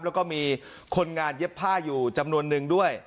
แล้วก็มีคนงานเย็บผ้าอยู่จำนวนนึงด้วย